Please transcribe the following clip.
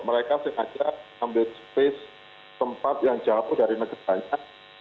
mereka sengaja ambil space tempat yang jauh dari negaranya